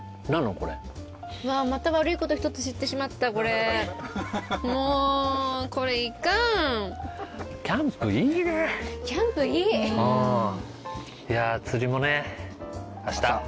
これうわまた悪いことひとつ知ってしまったこれもこれいかんキャンプいいねキャンプいいいや釣りもねあした！